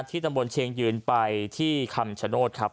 ตำบลเชียงยืนไปที่คำชโนธครับ